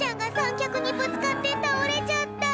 きゃくにぶつかってたおれちゃった。